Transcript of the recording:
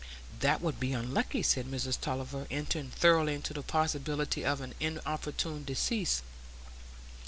"That would be unlucky," said Mrs Tulliver, entering thoroughly into the possibility of an inopportune decease.